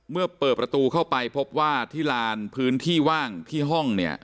เมื่อเปิดประตูเข้าไปพบว่าที่ลานพื้นที่ว่างที่ห้องเนี่ย